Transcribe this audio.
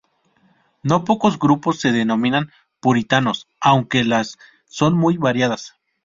No pocos grupos se denominan puritanos, aunque las son muy variadas.